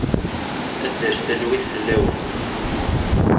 Ad d-tres talwit fell-awen.